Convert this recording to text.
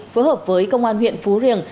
phối hợp với công an huyện phú riềng